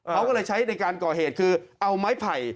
เขาก็เลยใช้ในการก่อเหตุคือเอาไม้ไผ่